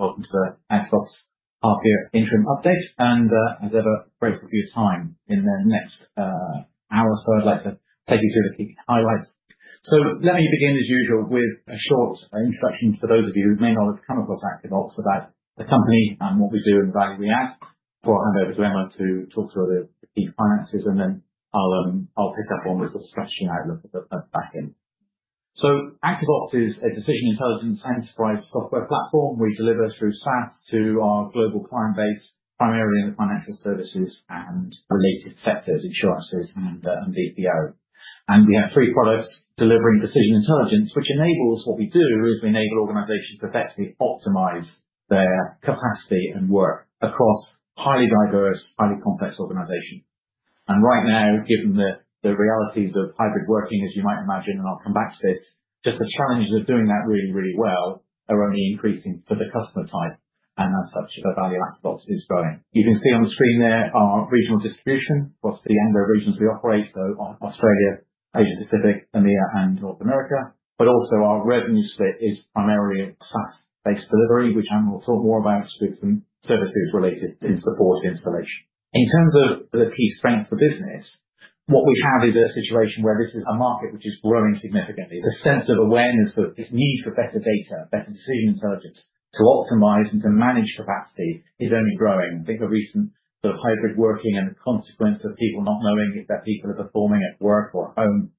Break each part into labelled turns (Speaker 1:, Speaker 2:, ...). Speaker 1: Welcome to the ActiveOps half year interim update, and as ever, very pleased with your time in the next hour. I'd like to take you through the key highlights. Let me begin, as usual, with a short introduction, for those of you who may not have come across ActiveOps, about the company and what we do and the value we add. Before I hand over to Emma to talk through the key finances. Then I'll pick up on with the stretching out a little bit at the back end. ActiveOps is a decision intelligence and enterprise software platform we deliver through SaaS to our global client base, primarily in the financial services and related sectors, insurances and BPO. We have three products delivering decision intelligence, which enables what we do, is we enable organizations to effectively optimize their capacity and work across highly diverse, highly complex organizations. Right now, given the realities of hybrid working, as you might imagine, and I'll come back to this, just the challenges of doing that really, really well are only increasing for the customer type, and as such, the value of ActiveOps is growing. You can see on the screen there our regional distribution, across the number of regions we operate, so on Australia, Asia Pacific, EMEA and North America, but also our revenue split is primarily SaaS-based delivery, which I'm going to talk more about, with some services related in support and installation. In terms of the key strength of the business, what we have is a situation where this is a market which is growing significantly. The sense of awareness of this need for better data, better decision intelligence, to optimize and to manage capacity is only growing. I think the recent sort of hybrid working and the consequence of people not knowing if their people are performing at work or at home,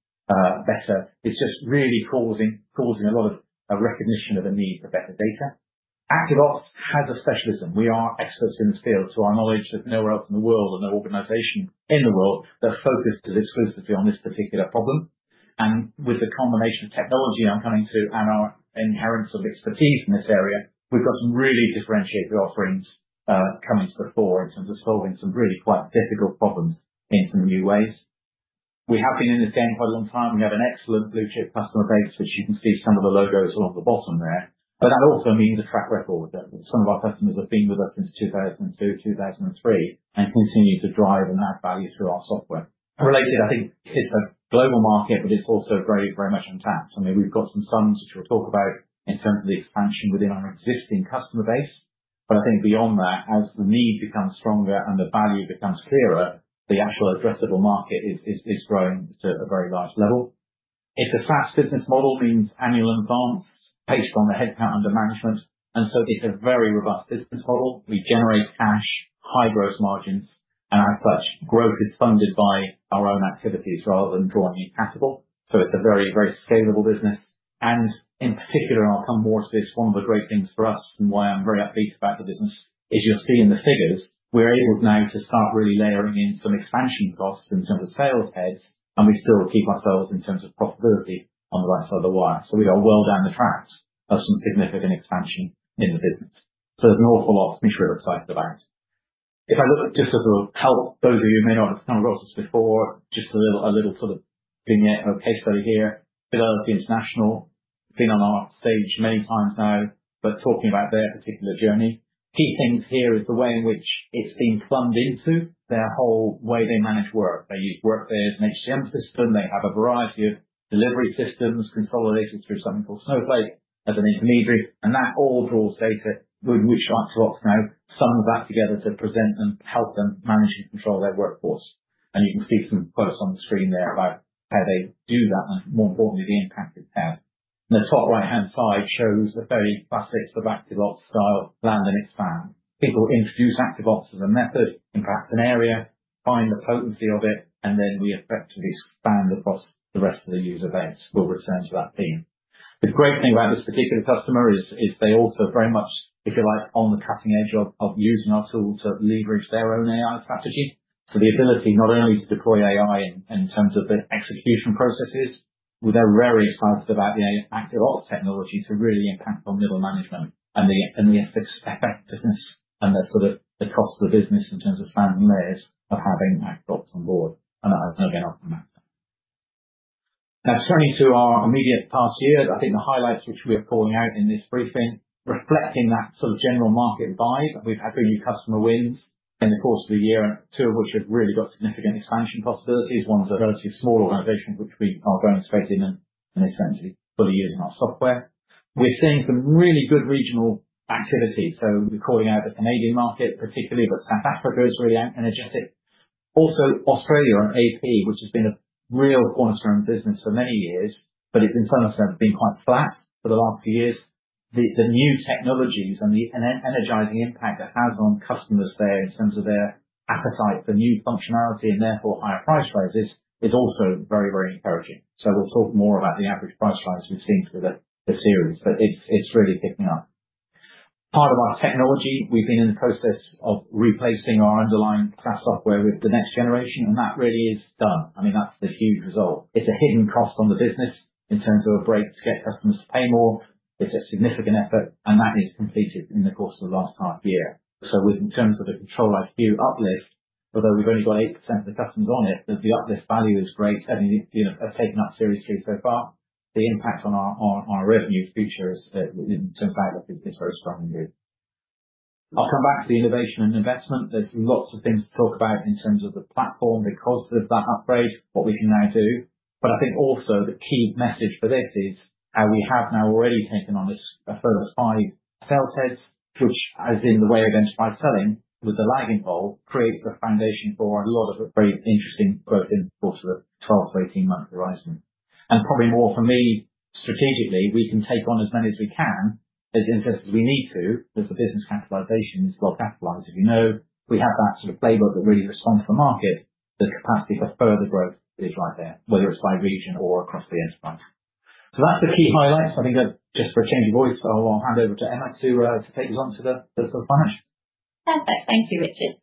Speaker 1: better, is just really causing a lot of recognition of the need for better data. ActiveOps has a specialism. We are experts in this field, so our knowledge is nowhere else in the world and no organization in the world that focused as exclusively on this particular problem. With the combination of technology I'm coming to and our inherent sort of expertise in this area, we've got some really differentiated offerings coming to the fore in terms of solving some really quite difficult problems in some new ways. We have been in this game quite a long time. We have an excellent blue chip customer base, which you can see some of the logos along the bottom there, but that also means a track record, that some of our customers have been with us since 2002, 2003, and continue to drive and add value to our software. Related, I think, it's a global market, but it's also very, very much untapped. I mean, we've got some sums, which we'll talk about in terms of the expansion within our existing customer base. I think beyond that, as the need becomes stronger and the value becomes clearer, the actual addressable market is growing to a very large level. It's a fast business model, means annual advance based on the headcount under management, and so it's a very robust business model. We generate cash, high gross margins, as such, growth is funded by our own activities rather than drawing new capital. It's a very, very scalable business. In particular, and I'll come more to this, one of the great things for us and why I'm very upbeat about the business, is you'll see in the figures, we're able now to start really layering in some expansion costs in terms of sales heads, and we still keep ourselves in terms of profitability on the right side of the wire. We are well down the track of some significant expansion in the business. There's an awful lot to be really excited about. If I look at just sort of help those of you who may not have come across this before, just a little, a little sort of vignette or case study here. Fidelity International, been on our stage many times now, but talking about their particular journey. Key things here is the way in which it's been plumbed into their whole way they manage work. They use Workday as an HCM system. They have a variety of delivery systems consolidated through something called Snowflake as an intermediary, and that all draws data, which ActiveOps now sums that together to present and help them manage and control their workforce. You can see some quotes on the screen there about how they do that and more importantly, the impact it's had. The top right-hand side shows the very classic sort of ActiveOps style, land and expand. People introduce ActiveOps as a method, impact an area, find the potency of it, and then we effectively expand across the rest of the user base. We'll return to that theme. The great thing about this particular customer is they also very much, if you like, on the cutting edge of using our tool to leverage their own AI strategy. The ability not only to deploy AI in terms of the execution processes, but they're very excited about the ActiveOps technology to really impact on middle management and the effectiveness and the sort of the cost of the business in terms of managing layers of having ActiveOps on board. Again, I'll come back to that. Now, turning to our immediate past year, I think the highlights which we are calling out in this briefing, reflecting that sort of general market vibe, we've had three new customer wins in the course of the year, two of which have really got significant expansion possibilities. One's a relatively small organization, which we are going straight in and essentially fully using our software. We're seeing some really good regional activity, so we're calling out the Canadian market particularly, but South Africa is very energetic. Also, Australia and AP, which has been a real cornerstone business for many years, but it's in some sense been quite flat for the last few years. The new technologies and the energizing impact it has on customers there in terms of their appetite for new functionality and therefore higher price raises, is also very, very encouraging. We'll talk more about the average price rise we've seen through the series, but it's really picking up. Part of our technology, we've been in the process of replacing our underlying SaaS software with the next generation, and that really is done. I mean, that's a huge result. It's a hidden cost on the business in terms of a break to get customers to pay more. That is completed in the course of the last half year. With in terms of the ControliQ uplift, although we've only got 8% of the customers on it, the uplift value is great, and, you know, have taken up seriously so far. The impact on our revenues future is, in terms of value, is very strongly. I'll come back to the innovation and investment. There's lots of things to talk about in terms of the platform, because of that upgrade, what we can now do. I think also the key message for this is how we have now already taken on this a further five sales heads, which as in the way of enterprise selling with the lag involved, creates the foundation for a lot of very interesting growth in the course of the 12-18 month horizon. Probably more for me, strategically, we can take on as many as we can, as in as we need to, because the business capitalization is well capitalized. If you know, we have that sort of labor that really responds to the market, the capacity for further growth is right there, whether it's by region or across the enterprise. That's the key highlights. I think that just for a change of voice, I'll hand over to Emma to take you on to the financials.
Speaker 2: Perfect. Thank you, Richard.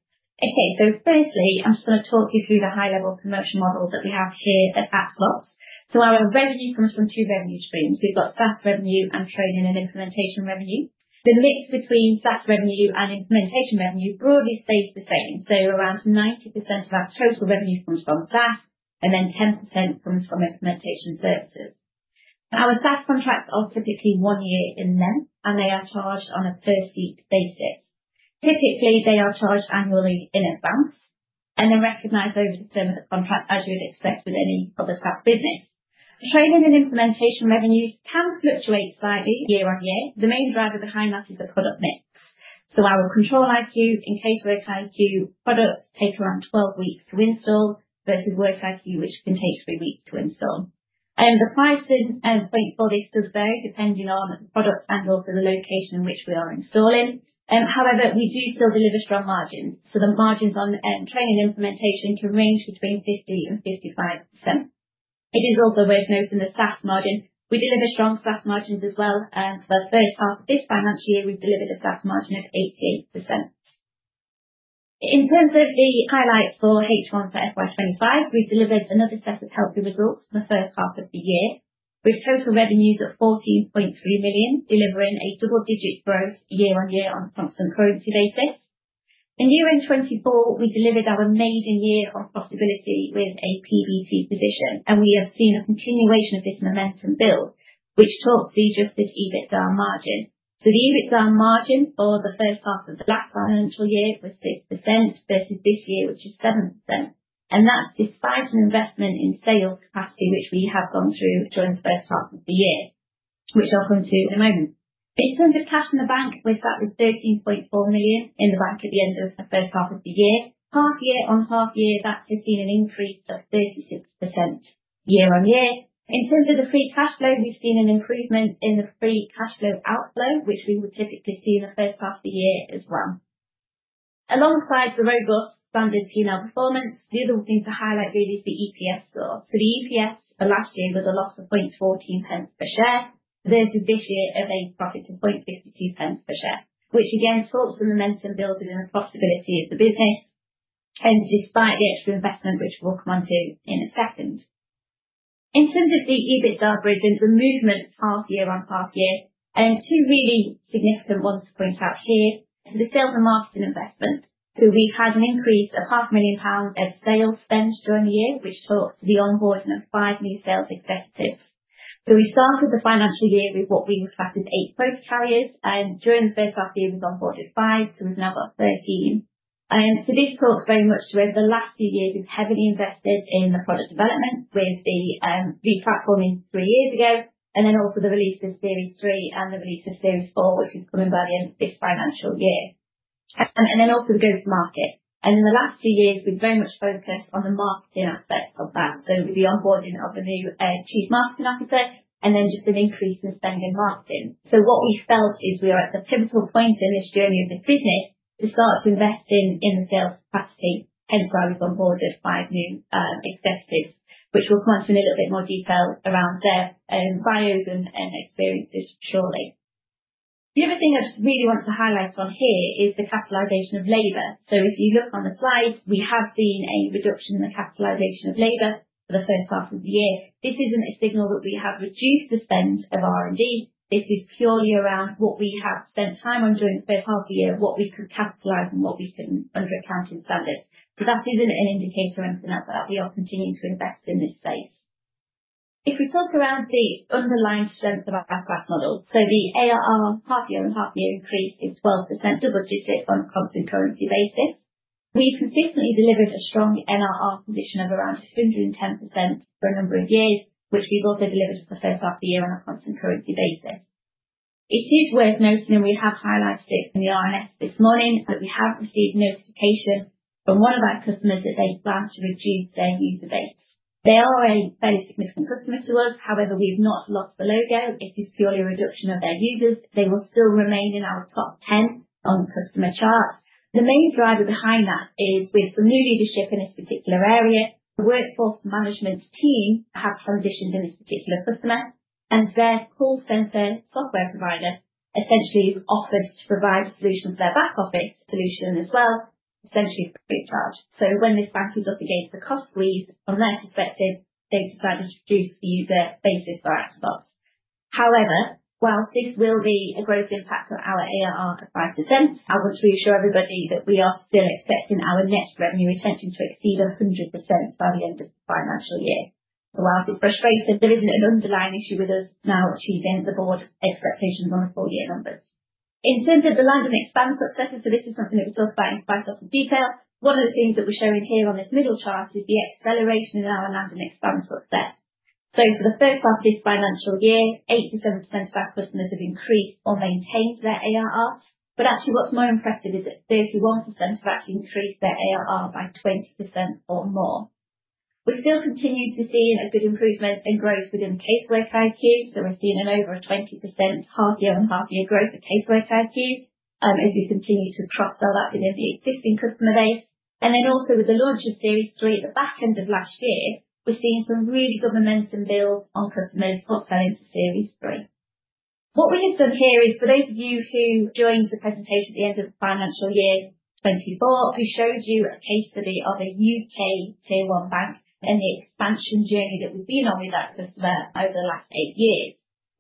Speaker 2: Okay, firstly, I'm just gonna talk you through the high level commercial model that we have here at ActiveOps. Our revenue comes from two revenue streams. We've got SaaS revenue and training and implementation revenue. The mix between SaaS revenue and implementation revenue broadly stays the same. Around 90% of our total revenue comes from SaaS and then 10% comes from implementation services. Our SaaS contracts are typically one year in length, and they are charged on a per seat basis. Typically, they are charged annually in advance and then recognized over the term of the contract, as you would expect with any other SaaS business. The training and implementation revenues can fluctuate slightly year on year. The main driver behind that is the product mix. Our ControliQ and WorkiQ products take around 12 weeks to install, versus WorkiQ, which can take three weeks to install. The prices and point for this does vary depending on the product and also the location in which we are installing. However, we do still deliver strong margins, so the margins on training and implementation can range between 50% and 55%. It is also worth noting the SaaS margin. We deliver strong SaaS margins as well, and for the first half of this financial year, we delivered a SaaS margin of 88%. In terms of the highlights for H1 for FY25, we delivered another set of healthy results for the first half of the year, with total revenues at 14.3 million, delivering a double-digit growth year-on-year on a constant currency basis. In year end 2024, we delivered our amazing year on profitability with a PBT position. We have seen a continuation of this momentum build, which talks to just this EBITDA margin. The EBITDA margin for the first half of the last financial year was 6% versus this year, which is 7%. That's despite an investment in sales capacity, which we have gone through during the first half of the year, which I'll come to in a moment. In terms of cash in the bank, we sat with 13.4 million in the bank at the end of the first half of the year. Half-year on half-year, that has seen an increase of 36% year-on-year. In terms of the free cash flow, we've seen an improvement in the free cash flow outflow, which we would typically see in the first half of the year as well. Alongside the robust standard P&L performance, the other thing to highlight really is the EPS score. The EPS for last year was a loss of 0.14 per share, versus this year at a profit of 0.52 per share, which again talks to the momentum building and the profitability of the business, and despite the extra investment, which we'll come on to in a second. In terms of the EBITDA bridge and the movement half year on half year, two really significant ones to point out here is the sales and marketing investment. We've had an increase of half a million pounds of sales spend during the year, which talks to the onboarding of five new sales executives. We started the financial year with what we would class as eight quota carriers, and during the first half year, we onboarded five, so we've now got 13. This talks very much to over the last few years, we've heavily invested in the product development with the replatforming three years ago, and then also the release of Series 3.0 and the release of Series 4.0, which is coming by the end of this financial year. Then also the go to market. In the last few years we've very much focused on the marketing aspect of that. The onboarding of the new chief marketing officer and then just an increase in spend in marketing. What we felt is we are at the pivotal point in this journey of the business to start to invest in the sales capacity, hence why we've onboarded five new executives, which we'll come to in a little bit more detail around their bios and experiences shortly. The other thing I just really want to highlight on here is the capitalization of labor. If you look on the slide, we have seen a reduction in the capitalization of labor for the first half of the year. This isn't a signal that we have reduced the spend of R&D. This is purely around what we have spent time on during the first half of the year, what we could capitalize and what we couldn't under accounting standards. That isn't an indicator or anything like that. We are continuing to invest in this space. If we talk around the underlying strength of our ActiveOps model, the ARR half year on half year increase is 12%, double digits on a constant currency basis. We've consistently delivered a strong NRR position of around 110% for a number of years, which we've also delivered for the first half of the year on a constant currency basis. It is worth noting, and we have highlighted it in the RNS this morning, that we have received notification from one of our customers that they plan to reduce their user base. They are a very significant customer to us, however, we've not lost the logo. It is purely a reduction of their users. They will still remain in our top 10 on the customer chart. The main driver behind that is with the new leadership in this particular area, the workforce management team have transitioned in this particular customer, and their call center software provider essentially offered to provide a solution for their back office solution as well, essentially free of charge. When this balances up against the cost freeze from their perspective, they've decided to reduce the user basis for ActiveOps. Whilst this will be a growth impact on our ARR of 5%, I want to reassure everybody that we are still expecting our net revenue retention to exceed 100% by the end of the financial year. Whilst it's frustrating, there isn't an underlying issue with us now achieving the board expectations on the full year numbers. In terms of the land and expand success, this is something that we talked about in quite a lot of detail. One of the things that we're showing here on this middle chart is the acceleration in our land and expand success. For the first part of this financial year, 87% of our customers have increased or maintained their ARR. Actually, what's more impressive is that 31% have actually increased their ARR by 20% or more. We still continue to see a good improvement in growth within CaseworkiQ, we're seeing an over a 20% half-year-on-half-year growth of CaseworkiQ as we continue to cross-sell that within the existing customer base. Also with the launch of Series 3.0 at the back end of last year, we're seeing some really good momentum build on customers cross-selling to Series 3.0. We have done here is for those of you who joined the presentation at the end of the financial year 2024, we showed you a case study of a U.K. Tier One bank and the expansion journey that we've been on with that customer over the last eight years.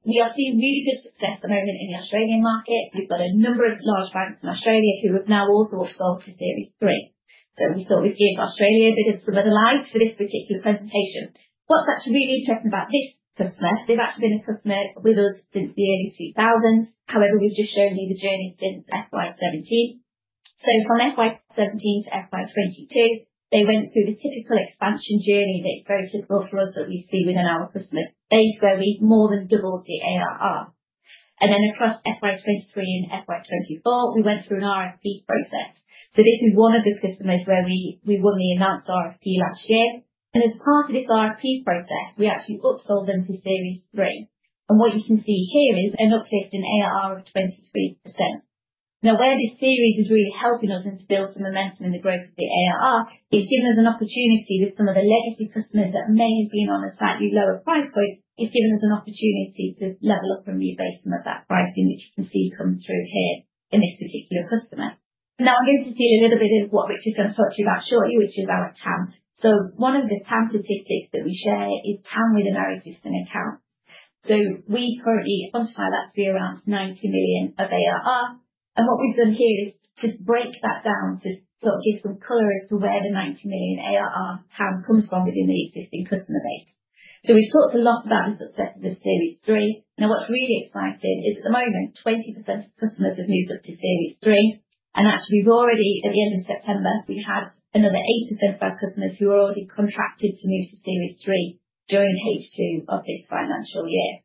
Speaker 2: We are seeing really good success at the moment in the Australian market. We've got a number of large banks in Australia who have now also upsold to Series 3.0. We thought we'd give Australia a bit of some of the light for this particular presentation. What's actually really interesting about this customer, they've actually been a customer with us since the early 2000s. We've just shown you the journey since FY17. From FY17 to FY22, they went through the typical expansion journey that is very typical for us, that we see within our customer base, where we more than doubled the ARR. Across FY23 and FY24, we went through an RFP process. This is one of the customers where we won the announced RFP last year, and as part of this RFP process, we actually upsold them to Series 3.0. What you can see here is an uplift in ARR of 23%. Now, where this series is really helping us is to build some momentum in the growth of the ARR. It's given us an opportunity with some of the legacy customers that may have been on a slightly lower price point. It's given us an opportunity to level up and rebase some of that pricing, which you can see come through here in this particular customer. I'm going to see a little bit of what Richard is going to talk to you about shortly, which is our TAM. One of the TAM statistics that we share is TAM within our existing accounts. We currently quantify that to be around 90 million of ARR. What we've done here is just break that down to sort of give some color as to where the 90 million pound ARR TAM comes from within the existing customer base. We've talked a lot about the success of the Series 3.0. What's really exciting is at the moment, 20% of customers have moved up to Series 3.0. Actually, we've already, at the end of September, we had another 8% of our customers who are already contracted to move to Series 3.0 during H2 of this financial year.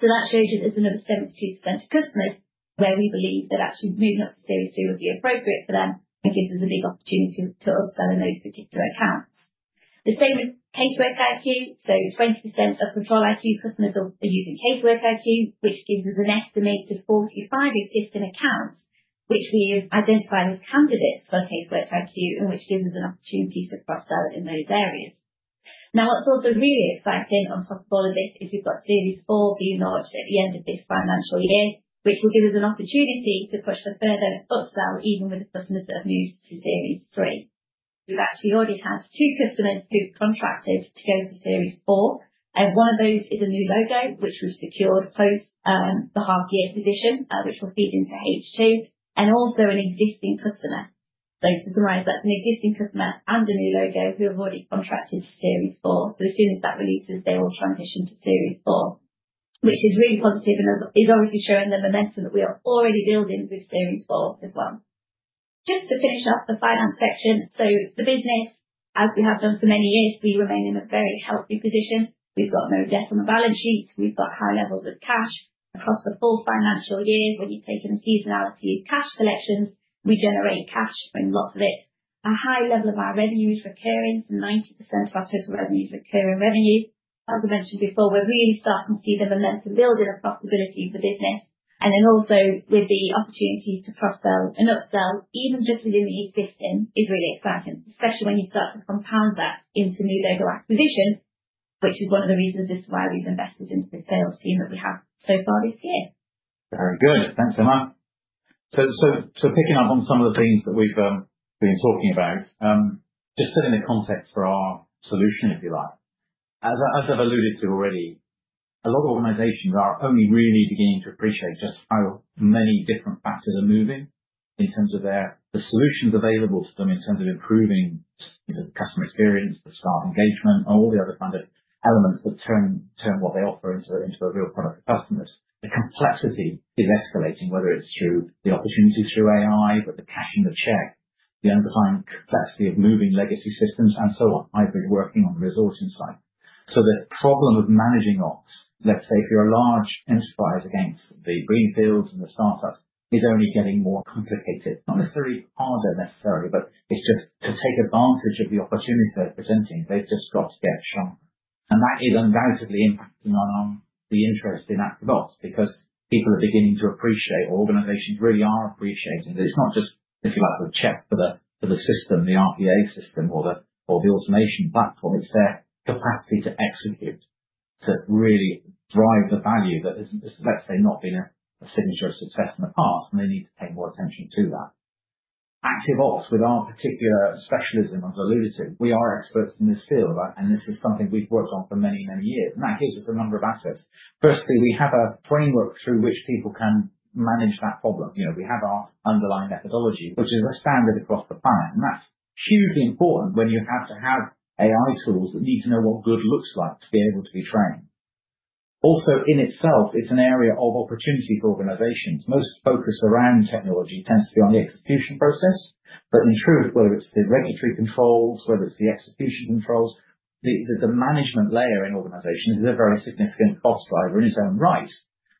Speaker 2: That shows you there's another 72% of customers where we believe that actually moving up to Series 3.0 would be appropriate for them and gives us a big opportunity to upsell in those particular accounts. The same with CaseworkiQ. Twenty percent of ControliQ customers are using CaseworkiQ, which gives us an estimate of 45 existing accounts, which we have identified as candidates for CaseworkiQ, and which gives us an opportunity to cross-sell in those areas. What's also really exciting on top of all of this, is we've got Series 4 being launched at the end of this financial year, which will give us an opportunity to push a further upsell even with the customers that have moved to Series 3. We've actually already had 2 customers who've contracted to go to Series 4, and one of those is a new logo, which we secured post the half year position, which will feed into H2 and also an existing customer. To summarize, that's an existing customer and a new logo who have already contracted Series 4. As soon as that releases, they will transition to Series 4, which is really positive and is already showing the momentum that we are already building with Series 4 as well. Just to finish off the finance section. The business, as we have done for many years, we remain in a very healthy position. We've got no debt on the balance sheet. We've got high levels of cash across the full financial year. When you take in the seasonality of cash collections, we generate cash and lots of it. A high level of our revenue is recurring. 90% of our total revenue is recurring revenue. As I mentioned before, we're really starting to see the momentum building and profitability in the business, and then also with the opportunities to cross-sell and upsell, even just within the existing, is really exciting, especially when you start to compound that into new logo acquisition, which is one of the reasons as to why we've invested into the sales team that we have so far this year.
Speaker 1: Very good. Thanks, Emma. Picking up on some of the themes that we've been talking about, just to set in the context for our solution, if you like. As I've alluded to already, a lot of organizations are only really beginning to appreciate just how many different factors are moving in terms of their, the solutions available to them, in terms of improving the customer experience, the staff engagement, and all the other kind of elements that turn what they offer into a real product for customers. The complexity is escalating, whether it's through the opportunities through AI, but the cashing the check, the underlying complexity of moving legacy systems, and so on. I've been working on the resourcing side. The problem with managing ops, let's say, if you're a large enterprise, against the greenfields and the startups, is only getting more complicated. Not necessarily harder, but it's just to take advantage of the opportunities they're presenting, they've just got to get stronger. That is undoubtedly impacting on the interest in ActiveOps, because people are beginning to appreciate, organizations really are appreciating that it's not just, if you like, the check for the system, the RPA system or the automation platform. It's their capacity to execute, to really drive the value that has, let's say, not been a signature of success in the past, and they need to pay more attention to that. ActiveOps, with our particular specialism, as I alluded to, we are experts in this field. This is something we've worked on for many, many years. That gives us a number of assets. Firstly, we have a framework through which people can manage that problem. You know, we have our underlying methodology, which is a standard across the plan. That's hugely important when you have to have AI tools that need to know what good looks like to be able to be trained. Also, in itself, it's an area of opportunity for organizations. Most focus around technology tends to be on the execution process. In truth, whether it's the regulatory controls, whether it's the execution controls, the management layer in organizations is a very significant cost driver in its own right.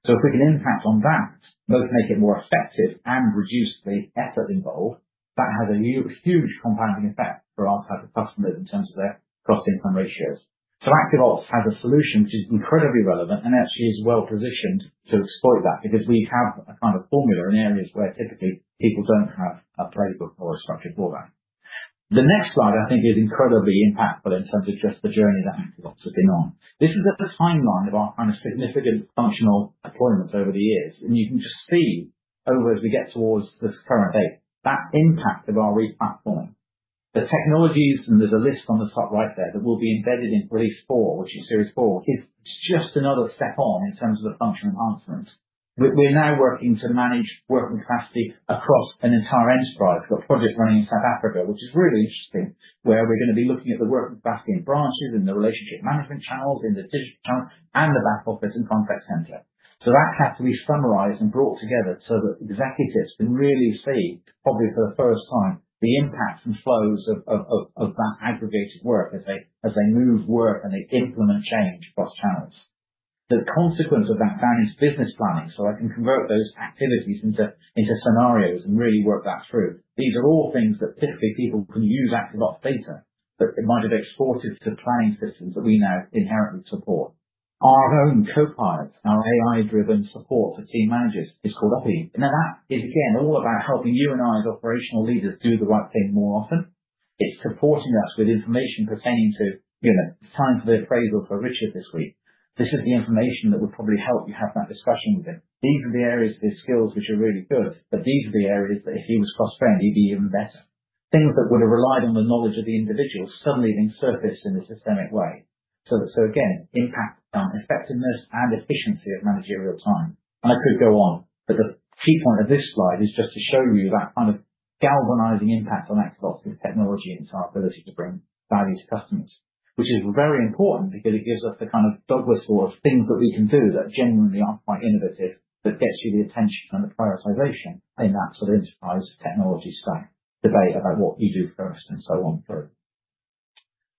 Speaker 1: If we can impact on that, both make it more effective and reduce the effort involved, that has a huge compounding effect for our type of customers in terms of their cost-income ratios. ActiveOps has a solution which is incredibly relevant and actually is well positioned to exploit that, because we have a kind of formula in areas where typically people don't have a playbook or a structure for that. The next slide, I think, is incredibly impactful in terms of just the journey that ActiveOps has been on. This is just a timeline of our kind of significant functional deployments over the years, and you can just see over as we get towards this current date, that impact of our re-platform. The technologies, there's a list on the top right there, that will be embedded in release 4, which is Series 4.0, is just another step on in terms of the function enhancement. We're now working to manage working capacity across an entire enterprise. We've got projects running in South Africa, which is really interesting, where we're gonna be looking at the work back in branches, in the relationship management channels, in the digital channels, and the back office and contact center. That has to be summarized and brought together so that executives can really see, probably for the first time, the impact and flows of that aggregated work as they, as they move work and they implement change across channels. The consequence of that managed business planning, I can convert those activities into scenarios and really work that through. These are all things that typically people can use ActiveOps data. It might have exported to planning systems that we now inherently support. Our own copilot, our AI-driven support for team managers is called Opi. That is again, all about helping you and I, as operational leaders, do the right thing more often. It's supporting us with information pertaining to, you know, time for the appraisal for Richard this week. This is the information that would probably help you have that discussion with him. These are the areas of his skills which are really good. These are the areas that if he was cross-trained, he'd be even better. Things that would have relied on the knowledge of the individual suddenly being surfaced in a systemic way. Again, impact on effectiveness and efficiency of managerial time. I could go on, but the key point of this slide is just to show you that kind of galvanizing impact on ActiveOps with technology and to our ability to bring value to customers. Which is very important because it gives us the kind of dog whistle of things that we can do that genuinely are quite innovative, that gets you the attention and the prioritization in that sort of enterprise technology stack debate about what you do first and so on through.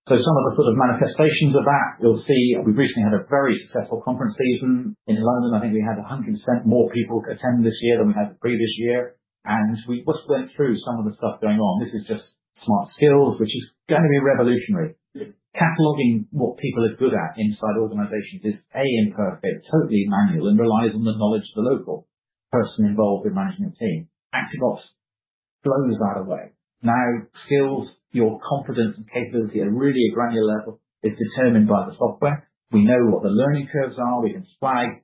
Speaker 1: Some of the sort of manifestations of that, you'll see we've recently had a very successful conference season in London. I think we had 100% more people attend this year than we had the previous year, and we just went through some of the stuff going on. This is just smart skills, which is gonna be revolutionary. Cataloging what people are good at inside organizations is imperfect, totally manual, and relies on the knowledge of the local person involved in managing a team. ActiveOps blows that away. Now, skills, your confidence and capability are really at granular level, is determined by the software. We know what the learning curves are. We can flag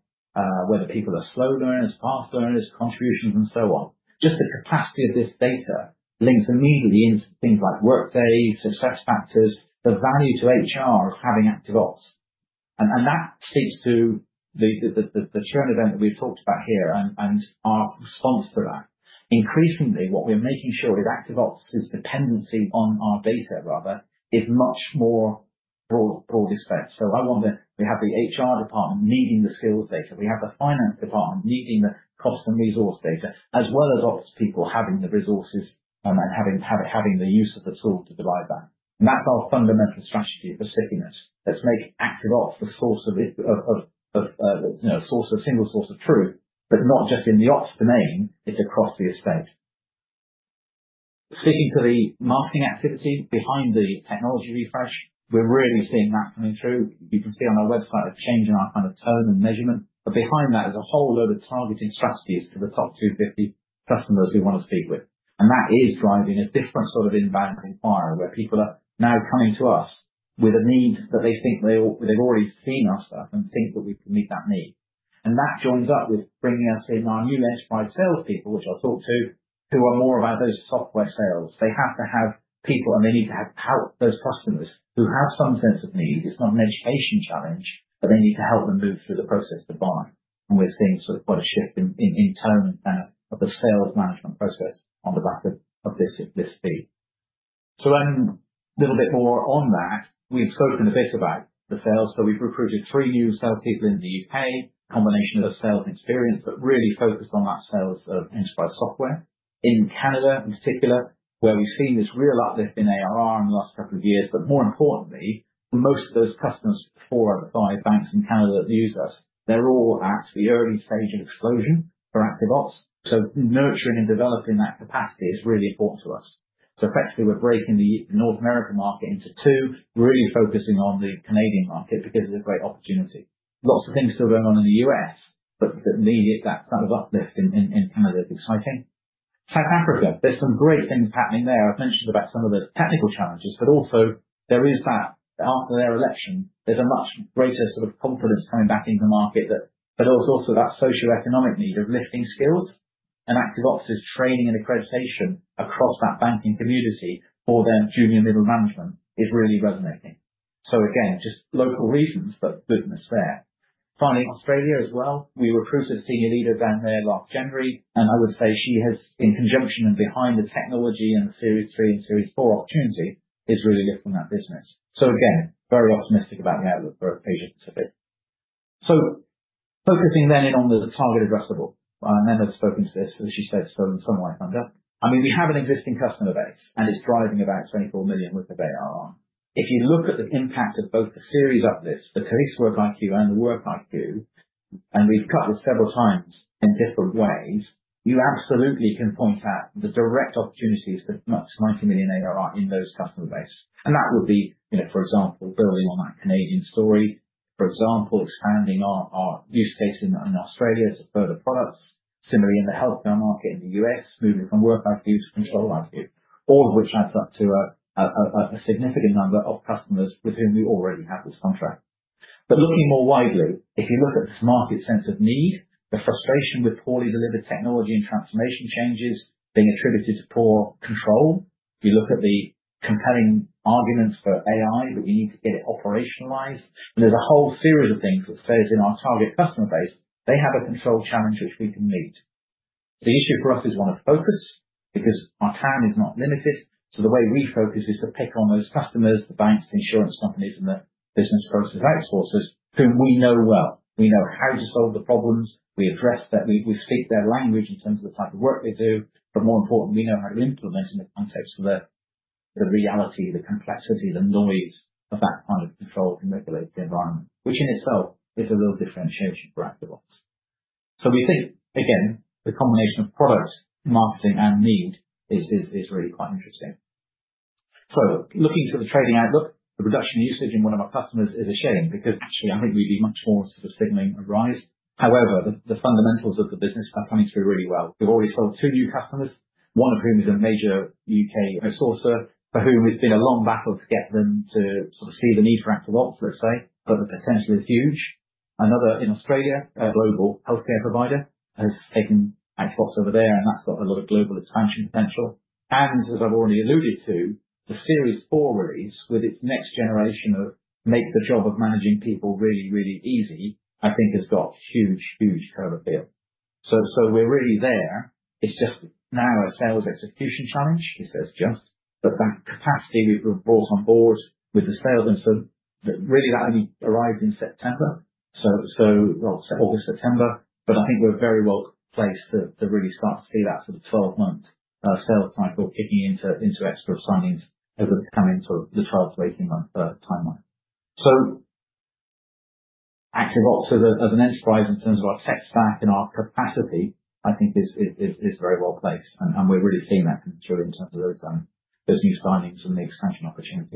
Speaker 1: whether people are slow learners, fast learners, contributions, and so on. Just the capacity of this data links immediately into things like Workday, SuccessFactors, the value to HR of having ActiveOps. That speaks to the current event that we've talked about here and our response to that. Increasingly, what we're making sure is ActiveOps' dependency on our data, rather, is much more broad effect. We have the HR department needing the skills data. We have the finance department needing the cost and resource data, as well as ops people having the resources and then having the use of the tool to derive that. That's our fundamental strategy for stickiness. Let's make ActiveOps the source of it, of, you know, source of single source of truth, but not just in the ops domain, it's across the estate. Sticking to the marketing activity behind the technology refresh, we're really seeing that coming through. You can see on our website a change in our kind of tone and measurement, but behind that is a whole load of targeting strategies to the top 250 customers we want to speak with. That is driving a different sort of inbound inquiry, where people are now coming to us with a need that they think they... They've already seen our stuff and think that we can meet that need. That joins up with bringing us in our new enterprise salespeople, which I talked to, who are more about those software sales. They have to have people, and they need to have power. Those customers who have some sense of need, it's not an education challenge, but they need to help them move through the process to buy. We're seeing sort of quite a shift in, in tone of the sales management process on the back of this speed. Little bit more on that. We've spoken a bit about the sales, we've recruited three new salespeople in the U.K., combination of sales experience, but really focused on that sales of enterprise software. In Canada, in particular, where we've seen this real uplift in ARR in the last couple of years, but more importantly, most of those customers, four out of five banks in Canada that use us, they're all at the early stage of explosion for ActiveOps. Nurturing and developing that capacity is really important to us. Effectively, we're breaking the North American market into two, really focusing on the Canadian market because it's a great opportunity. Lots of things still going on in the U.S., but the immediate, that kind of uplift in, in Canada is exciting. South Africa, there's some great things happening there. I've mentioned about some of the technical challenges, but also there is that, after their election, there's a much greater sort of confidence coming back into the market that... There's also that socioeconomic need of lifting skills and ActiveOps' training and accreditation across that banking community for their junior and middle management is really resonating. Again, just local reasons, but business there. Australia as well. We recruited a senior leader down there last January, and I would say she has, in conjunction and behind the technology and the Series three and Series four opportunity, is really good from that business. Again, very optimistic about the outlook for Asia Pacific. Focusing then in on the target addressable, Emma has spoken to this, as she said, spoken somewhat under. I mean, we have an existing customer base, and it's driving about 24 million with the ARR. If you look at the impact of both the Series uplifts, the CaseworkiQ and the WorkiQ, and we've cut this several times in different ways, you absolutely can point out the direct opportunities that 90 million ARR in those customer base. That would be, you know, for example, building on that Canadian story, for example, expanding our use case in Australia to further products. Similarly, in the healthcare market in the U.S., moving from WorkiQ to ControliQ. All of which adds up to a significant number of customers with whom we already have this contract. Looking more widely, if you look at this market sense of need, the frustration with poorly delivered technology and transformation changes being attributed to poor control, you look at the compelling arguments for AI, but we need to get it operationalized. There's a whole series of things that says in our target customer base, they have a control challenge which we can meet. The issue for us is one of focus, because our time is not limited. The way we focus is to pick on those customers, the banks, insurance companies, and the business process outsourcers whom we know well. We know how to solve the problems, we speak their language in terms of the type of work they do, but more importantly, we know how to implement in the context of the reality, the complexity, the noise of that kind of controlled and regulated environment, which in itself is a real differentiation for ActiveOps. We think, again, the combination of product, marketing, and need is really quite interesting. Looking to the trading outlook, the reduction in usage in one of our customers is a shame, because actually, I think we'd be much more sort of signaling a rise. However, the fundamentals of the business are coming through really well. We've already sold two new customers, one of whom is a major U.K. outsourcer, for whom it's been a long battle to get them to sort of see the need for ActiveOps, let's say, but the potential is huge. Another in Australia, a global healthcare provider, has taken ActiveOps over there, and that's got a lot of global expansion potential. As I've already alluded to, the Series four release, with its next generation of make the job of managing people really, really easy, I think has got huge, huge current appeal. We're really there. It's just now a sales execution challenge. I say it's just, that capacity we've brought on board with the sales team, so really, that only arrived in September. Well, August, September, but I think we're very well placed to really start to see that sort of 12-month sales cycle kicking into extra signings over the coming sort of the 12-18 month timeline. ActiveOps as an enterprise in terms of our tech stack and our capacity, I think is very well placed, and we're really seeing that come through in terms of those new signings and the expansion opportunities.